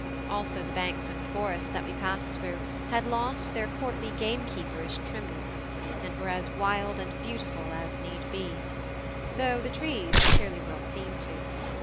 Also the banks of the forest that we passed through had lost their courtly game keeperish trimness, and were as wild and beautiful as need be, though the trees were clearly well seen to.